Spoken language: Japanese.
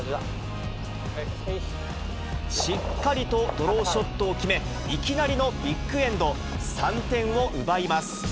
しっかりとドローショットを決め、いきなりのビッグエンド、３点を奪います。